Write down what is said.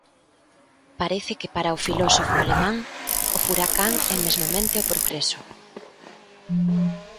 Parece que para o filósofo alemán, o furacán é mesmamente o progreso.